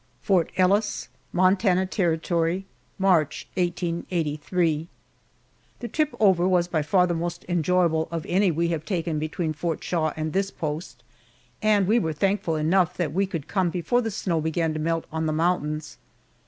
FORT ELLIS, MONTANA TERRITORY, March, 1883. THE trip over was by far the most enjoyable of any we have taken between Fort Shaw and this post, and we were thankful enough that we could come before the snow began to melt on the mountains.